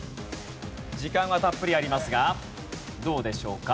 時間はたっぷりありますがどうでしょうか？